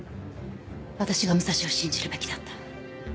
私が武蔵を信じるべきだった。